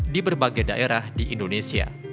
di berbagai daerah di indonesia